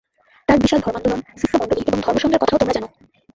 তাঁর বিশাল ধর্মান্দোলন, শিষ্যমণ্ডলী এবং ধর্মসঙ্ঘের কথাও তোমরা জান।